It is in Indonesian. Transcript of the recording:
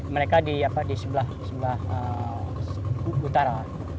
mereka di sebelah utara